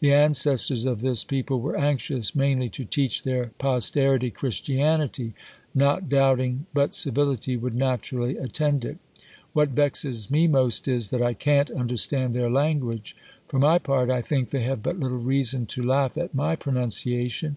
The ancestors of this people were anxious mainly to teach their posterity Christianity, not doubt ing but civility would naturally attend it. What vexes me most is, that I can't understand their language. For my part, I think they have but little reason to 'laugh at my pronunciation.